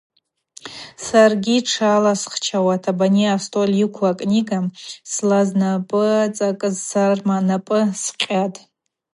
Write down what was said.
Саргьи тшаласхчауата абани астоль йыкву акнига зласнапӏыцӏакӏыз сарма напӏы скъьатӏ.